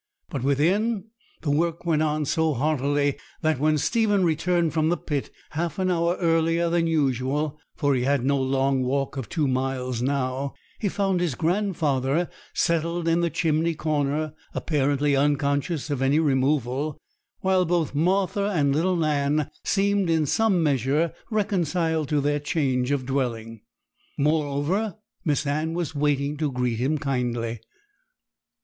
But within, the work went on so heartily that, when Stephen returned from the pit, half an hour earlier than usual, for he had no long walk of two miles now, he found his grandfather settled in the chimney corner, apparently unconscious of any removal, while both Martha and little Nan seemed in some measure reconciled to their change of dwelling. Moreover, Miss Anne was waiting to greet him kindly.